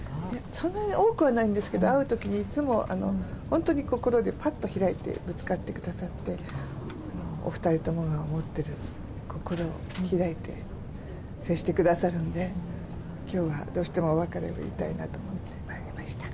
そんなに多くはないんですけど、会うときにいつも本当に心で、ぱっと開いて、ぶつかってくださって、お２人ともが思ってる、心を開いて接してくださるんで、きょうはどうしてもお別れを言いたいなと思ってまいりました。